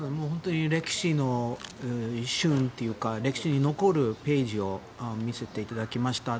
歴史の一瞬というか歴史に残るページを見せていただきました。